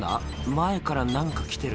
前から何か来てる」